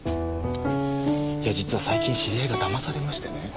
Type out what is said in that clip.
いや実は最近知り合いがだまされましてね。